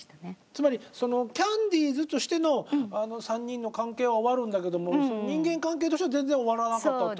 つまりキャンディーズとしての３人の関係は終わるんだけども人間関係としては全然終わらなかったっていうこと？